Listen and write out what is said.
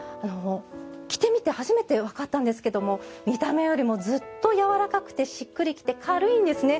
着てみて初めて分かったんですけども見た目よりもずっとやわらくて、しっくりきて軽いんですね。